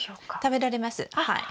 食べられます。